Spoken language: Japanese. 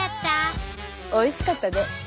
おいしかったね。